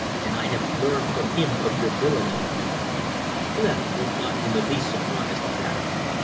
And I have learned from him of your villainy." Clif was not in the least surprised at that.